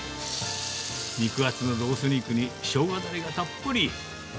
肉厚のロース肉にしょうがだれがたっぷり。